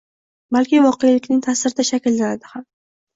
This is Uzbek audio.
balki voqelikning ta’sirida... shakllanadi ham.